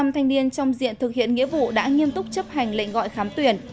một mươi thanh niên trong diện thực hiện nghĩa vụ đã nghiêm túc chấp hành lệnh gọi khám tuyển